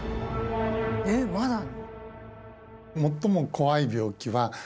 えっまだあるの？